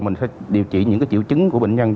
mình sẽ điều trị những triệu chứng của bệnh nhân